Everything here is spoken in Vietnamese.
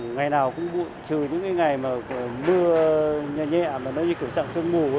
ngày nào cũng bụi trừ những cái ngày mà mưa nhẹ nhẹ mà nó như kiểu sạc sương mù ấy